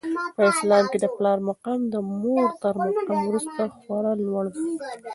په اسلام کي د پلار مقام د مور تر مقام وروسته خورا لوړ دی.